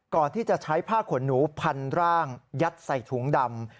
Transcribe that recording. ก่อนที่จะใช้ผ้าขนหนูพันร่างยัดใส่ถุงดำ